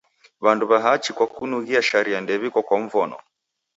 W'andu w'a hachi kwa kunughia sharia ndew'iko kwa mvono.